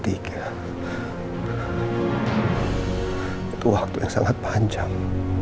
itu waktu yang sangat panjang